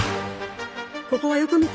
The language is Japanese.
ここをよく見て！